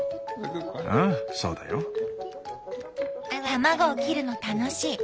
卵を切るの楽しい！